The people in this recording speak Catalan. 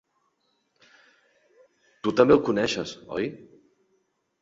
Tu també el coneixies, oi?